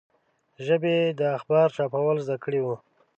ژبه یې د اخبار چاپول زده کړي وو.